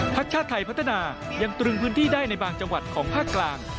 ชาติไทยพัฒนายังตรึงพื้นที่ได้ในบางจังหวัดของภาคกลาง